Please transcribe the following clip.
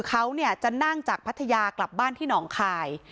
เขาจะนั่งจากพัทยากลับบ้านที่หนองคาย